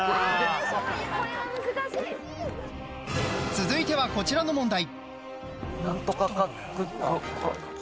続いてはこちらの問題。